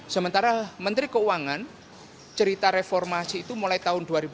sementara menteri keuangan cerita reformasi itu mulai tahun dua ribu dua